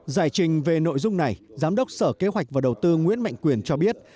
giải trình về nội dung này giám đốc sở kế hoạch và đầu tư nguyễn mạnh quyền cho biết